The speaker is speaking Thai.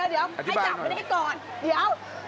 เดี๋ยวให้จับมันให้ก่อนเดี๋ยว